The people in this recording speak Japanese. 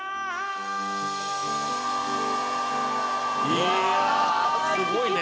「いやあすごいね」